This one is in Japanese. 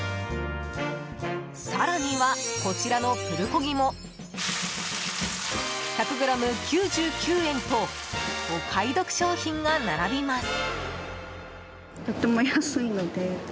更には、こちらのプルコギも１００ｇ９９円とお買い得商品が並びます。